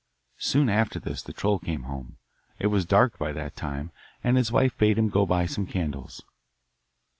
Soon after this the troll came home. It was dark by that time, and his wife bade him go and buy some candles.